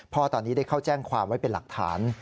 พ่อตอนนี้ได้เข้าแจ้งความไว้เป็นหลักฐาน